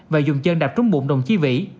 và dùng chân đạp trúng bụng đồng chí vĩ